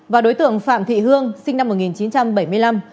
và đối tượng phạm thị hương sinh năm một nghìn chín trăm bảy mươi năm